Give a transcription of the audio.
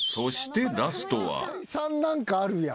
３何かあるやん。